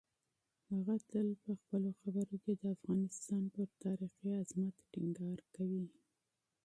هغه تل په خپلو خبرو کې د افغانستان پر تاریخي عظمت ټینګار کوي.